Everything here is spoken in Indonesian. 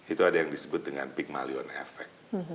itu ada yang disebut dengan pigmalion effect